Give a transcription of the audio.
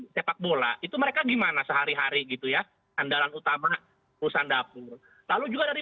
sepak bola itu mereka gimana sehari hari gitu ya andalan utama perusahaan dapur lalu juga dari